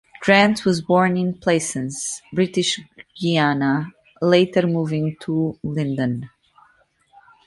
Grant was born in Plaisance, British Guiana, later moving to Linden.